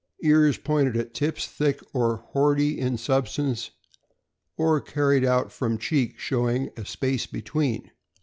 Ears pointed at tips, thick or boardy in substance, or carried out from cheek, showing a space between.